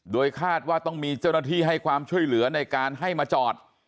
โดยคาดว่าต้องมีเจ้าหน้าที่ให้ความช่วยเหลือในการให้มาจอด